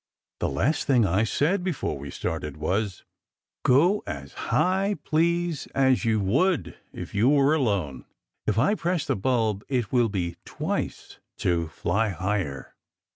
The last thing I said before we started was, "Go as high, please, as you would if you were alone. If I press the bulb, it will be twice, to fly higher."